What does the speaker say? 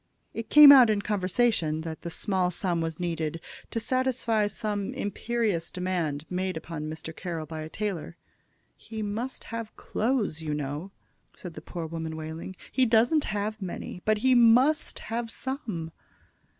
It came out in conversation that the small sum was needed to satisfy some imperious demand made upon Mr. Carroll by a tailor. "He must have clothes, you know," said the poor woman, wailing. "He doesn't have many, but he must have some."